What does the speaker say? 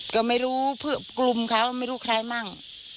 ก็ไม่รู้กลุ่มเขาไม่รู้ใครมั่ง